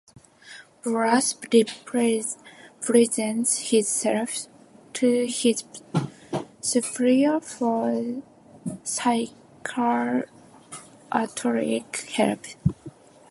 Bruce presents himself to his superiors for psychiatric help.